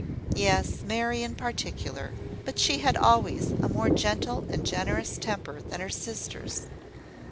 "Yes: Mary in particular; but she had always a more gentle and generous temper than her sisters.